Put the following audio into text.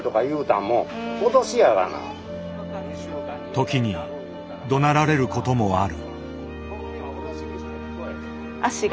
時にどなられることもある。